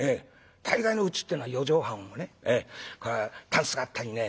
大概のうちってえのは四畳半をねたんすがあったりね